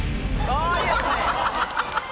いいですね。